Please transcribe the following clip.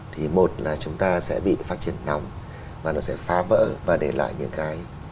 thì một là chúng ta sẽ bị phát triển nóng và nó sẽ phá vỡ và để lại những cái